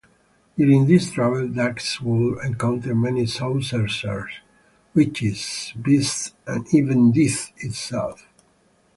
During his travels Dax would encounter many sorcerers, witches, beasts and even Death itself.